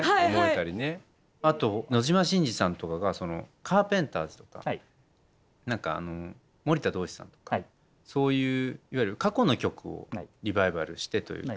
あと野島伸司さんとかがカーペンターズとか何か森田童子さんとかそういういわゆる過去の曲をリバイバルしてというか。